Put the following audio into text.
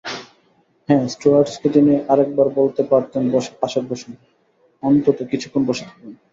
হ্যাঁ, স্টুয়ার্ডেসকে তিনি আরেকবার বলতে পারতেন পাশে বসুন, অন্তত কিছুক্ষণ বসে থাকুন।